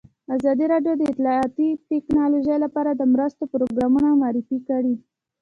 ازادي راډیو د اطلاعاتی تکنالوژي لپاره د مرستو پروګرامونه معرفي کړي.